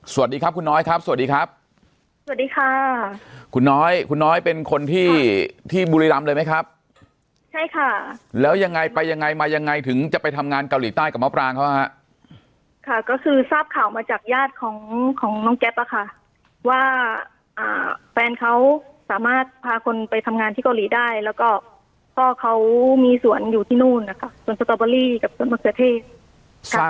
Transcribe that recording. สวัสดีครับคุณน้อยครับสวัสดีครับสวัสดีค่ะคุณน้อยคุณน้อยเป็นคนที่ที่บุรีรำเลยไหมครับใช่ค่ะแล้วยังไงไปยังไงมายังไงถึงจะไปทำงานเกาหลีใต้กับมะปรางเขาฮะค่ะก็คือทราบข่าวมาจากญาติของของน้องแก๊ปอ่ะค่ะว่าอ่าแฟนเขาสามารถพาคนไปทำงานที่เกาหลีได้แล้วก็พ่อเขามีสวนอยู่ที่นู่นนะคะสวนสตอเบอรี่กับต้นมะเขือเทศใช่